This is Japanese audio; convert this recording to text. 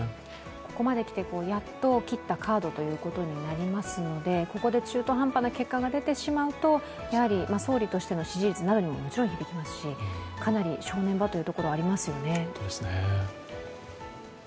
ここまできて、やっと切ったカードということになりますので、ここで中途半端な結果が出てしまうと総理としての支持率にももちろん響きますしかなり正念場というところがありますよね。